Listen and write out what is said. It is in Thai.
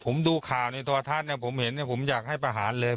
ผมดูข่าวในโทรทัศน์เนี่ยผมเห็นเนี่ยผมอยากให้ประหารเลย